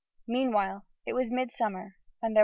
Meanwhile, it was mid summer and there were roses....